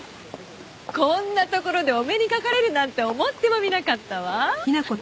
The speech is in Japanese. こんな所でお目にかかれるなんて思ってもみなかったわ。